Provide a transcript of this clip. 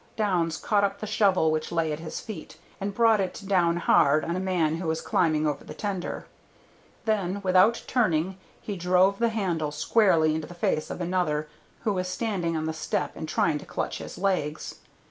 Downs caught up the shovel which lay at his feet, and brought it down hard on a man who was climbing over the tender; then without turning he drove the handle squarely into the face of another who was standing on the step and trying to clutch his legs.